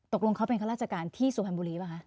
ตกลงเขาเป็นข้าราชการที่สุพรรณบุรีป่ะคะ